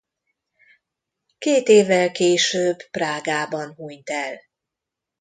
Két évvel később Prágában hunyt el.